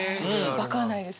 分からないです